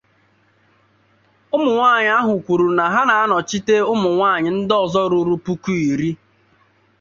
ụmụ nwaanyị ahụ kwuru na ha na-anọchite ụmụ nwaanyị ndị ọzọ ruru puku iri